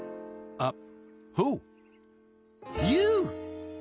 あっ。